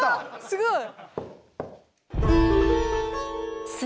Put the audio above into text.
すごい！